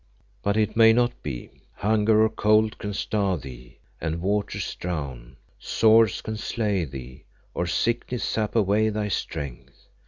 "But it may not be. Hunger or cold can starve thee, and waters drown; swords can slay thee, or sickness sap away thy strength.